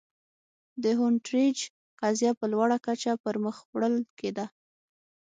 د هونټریج قضیه په لوړه کچه پر مخ وړل کېده.